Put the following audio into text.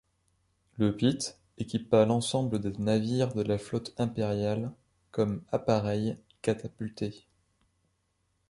Le Pete équipa l’ensemble des navires de la flotte impériale comme appareil catapulté.